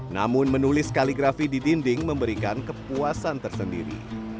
namun menulis kaligrafi di dinding memberikan kepuasan tersendiri